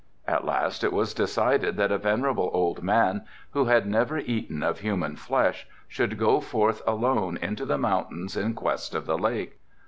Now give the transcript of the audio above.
At last it was decided that a venerable old man, who had never eaten of human flesh, should go forth alone into the mountains in quest of the lake.